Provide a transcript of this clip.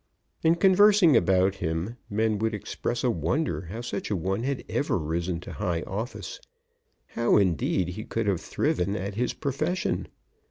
In conversing about him men would express a wonder how such a one had ever risen to high office, how, indeed, he could have thriven at his profession.